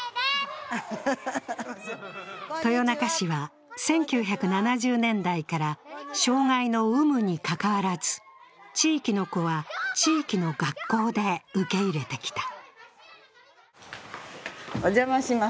豊中市は１９７０年代から障害の有無にかかわらず地域の子は地域の学校で受け入れてきた。